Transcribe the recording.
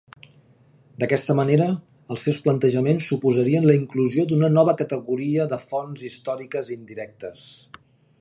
D'aquesta manera, els seus plantejaments suposarien la inclusió d'una nova categoria de fonts històriques indirectes.